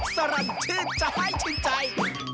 สรรค์ชื่นให้ชินใจ